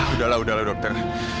udahlah udahlah dokter